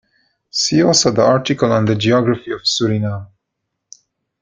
See also the article on the geography of Suriname.